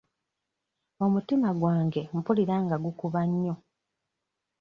Omutima gwange mpulira nga gukuba nnyo.